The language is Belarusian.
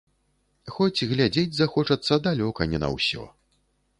Хоць глядзець захочацца далёка не на ўсё.